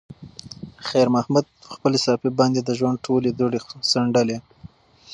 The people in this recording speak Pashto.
خیر محمد په خپلې صافې باندې د ژوند ټولې دوړې څنډلې.